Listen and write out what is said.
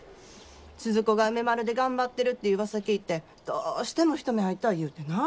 スズ子が梅丸で頑張ってるってうわさ聞いてどうしても一目会いたい言うてな。